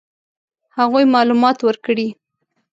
هغوی معلومات ورکړي.